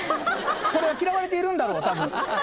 これは嫌われているんだたぶん。